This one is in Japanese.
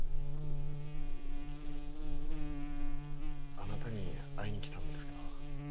あなたに会いに来たんですけど。